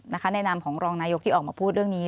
ในนามของรองนายกที่ออกมาพูดเรื่องนี้